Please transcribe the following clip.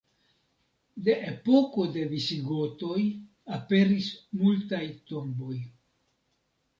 De epoko de visigotoj aperis multaj tomboj.